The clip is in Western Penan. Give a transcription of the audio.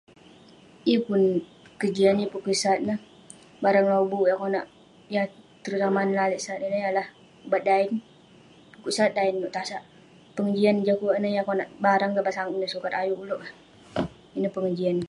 Yeng pun kejian, yeng pun kesat neh. Barang lobuk yah konak yah terutamanya neh yah lalek sat ineh yalah ubat daen. Kuk sat daen nouk neh, tasak. Pengejian jah keluak ineh yah konak barang tabang sangep ineh sukat ayuk ulouk eh. Ineh pengejian.